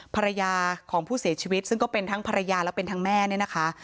ภรรยาของผู้เสียชีวิตซึ่งก็เป็นทั้งภรรยาและเป็นทั้งแม่เนี่ยนะคะ